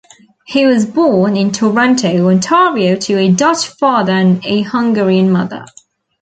He was born in Toronto, Ontario to a Dutch father and a Hungarian mother.